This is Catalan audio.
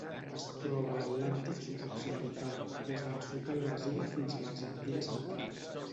Es troba a l'Atlàntic sud-occidental: des del sud del Brasil fins a l'Argentina central.